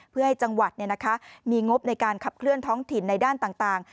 เพื่อให้จังหวัดมีงบในการขับเคลื่อนท้องถิ่นในด้านต่าง